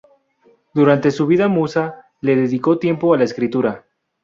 Durante su vida Musa le dedicó tiempo a la escritura.